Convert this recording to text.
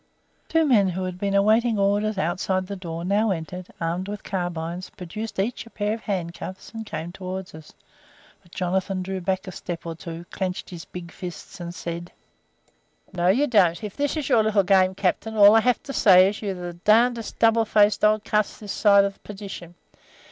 "Two men who had been awaiting orders outside the door now entered, armed with carbines, produced each a pair of handcuffs, and came towards us. But Jonathan drew back a step or two, clenched his big fists, and said: "'No, you don't. If this is your little game, captain, all I have to say is, you are the darndest double faced old cuss on this side of perdition.